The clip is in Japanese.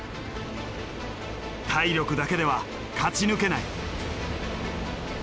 体力だけでは勝ち抜けない。